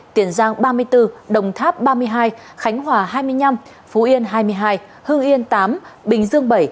tiền giang ba mươi bốn đồng tháp ba mươi hai khánh hòa hai mươi năm phú yên hai mươi hai hưng yên tám bình dương bảy